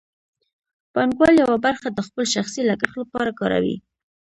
پانګوال یوه برخه د خپل شخصي لګښت لپاره کاروي